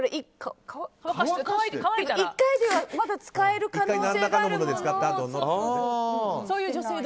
１回ではまだ使える可能性があるものは。